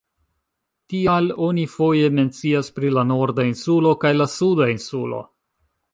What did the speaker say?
Tial oni foje mencias pri la Norda Insulo kaj la Suda Insulo.